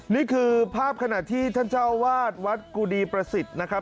นี่คือภาพขณะที่ท่านเจ้าวาดวัดกุดีประสิทธิ์นะครับ